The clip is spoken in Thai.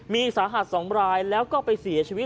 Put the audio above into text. มีสาหัส๒รายแล้วก็ไปเสียชีวิต